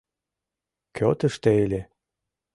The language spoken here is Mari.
Кӧ тыште ыле?